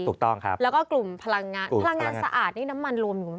ถูกต้องครับแล้วก็กลุ่มพลังงานพลังงานสะอาดนี่น้ำมันรวมถึง